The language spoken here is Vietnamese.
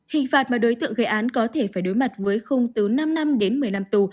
hình phạt mà đối tượng gây án có thể phải đối mặt với khung từ năm năm đến một mươi năm tù